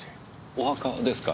お墓ですか？